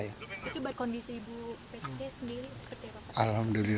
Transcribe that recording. itu berkondisi ibu pt sendiri